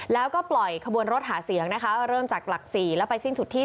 แล้วก็ปล่อยขบวนรถหาเสียงนะคะเริ่มจากหลัก๔แล้วไปสิ้นสุดที่